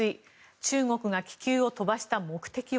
中国が気球を飛ばした目的は。